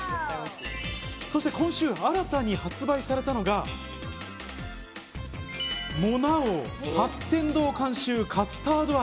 そして今週、新たに発売されたのが、モナ王八天堂監修カスタード味。